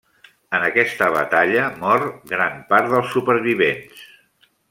En aquesta batalla mor gran part dels supervivents.